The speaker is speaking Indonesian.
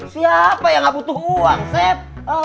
siapa yang nggak butuh uang seb